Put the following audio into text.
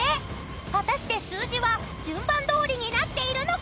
［果たして数字は順番どおりになっているのか⁉］